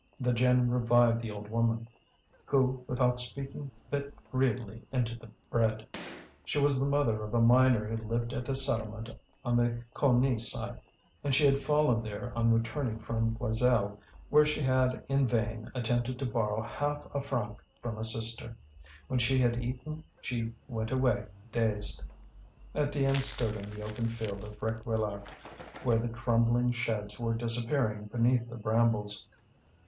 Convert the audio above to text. The gin revived the old woman, who without speaking bit greedily into the bread. She was the mother of a miner who lived at a settlement on the Cougny side, and she had fallen there on returning from Joiselle, where she had in vain attempted to borrow half a franc from a sister. When she had eaten she went away dazed. Étienne stood in the open field of Réquillart, where the crumbling sheds were disappearing beneath the brambles.